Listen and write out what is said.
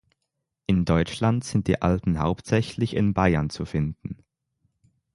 In Deutschland sind die Alpen hauptsächlich in Bayern zu finden.